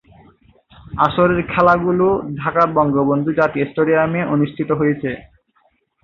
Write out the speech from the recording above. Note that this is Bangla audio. আসরের খেলাগুলো ঢাকার বঙ্গবন্ধু জাতীয় স্টেডিয়ামে অনুষ্ঠিত হয়েছে।